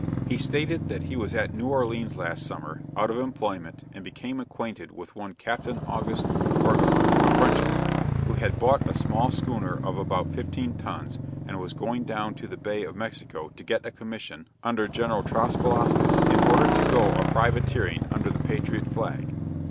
He stated, that he was at New Orleans last summer, out of employment, and became acquainted with one Captain August Orgamar, a Frenchman, who had bought a small schooner of about fifteen tons, and was going down to the bay of Mexico to get a commission under General Traspelascus, in order to go a privateering under the patriot flag.